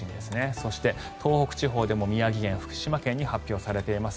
そして、東北地方でも宮城県、福島県に発表されています。